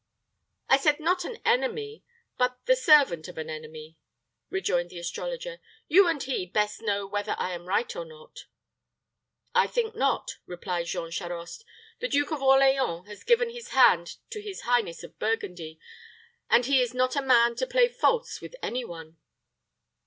"I said not an enemy, but the servant of an enemy," rejoined the astrologer. "You and he best know whether I am right or not." "I think not," replied Jean Charost. "The Duke of Orleans has given his hand to his highness of Burgundy, and he is not a man to play false with any one."